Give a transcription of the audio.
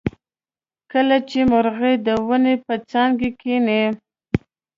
کله چې مرغۍ د ونې په څانګه کیني.